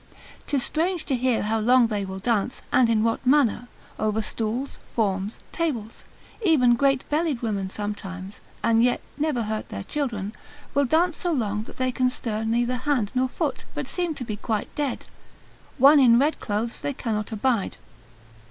'Tis strange to hear how long they will dance, and in what manner, over stools, forms, tables; even great bellied women sometimes (and yet never hurt their children) will dance so long that they can stir neither hand nor foot, but seem to be quite dead. One in red clothes they cannot abide.